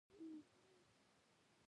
بازار د نوښت له لارې مخکې ځي.